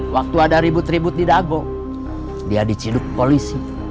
waktu ada ribut ribut didago dia diciduk polisi